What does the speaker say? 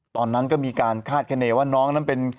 ตอนนั้นก็มีการคาดคณีว่าน้องนั้นเป็น